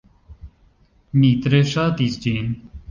Mi tre ŝatis ĝin.